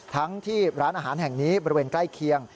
ทั้งที่ร้านอาหารแห่งนี้บริเวณใกล้เคียง